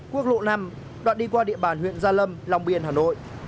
quốc lộ năm đoạn đi qua địa bàn huyện gia lâm long biên hà nội